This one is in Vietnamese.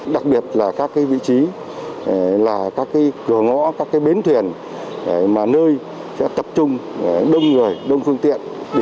đặc biệt là các vị trí là các cửa ngõ các bến thuyền nơi sẽ tập trung đông người đông phương tiện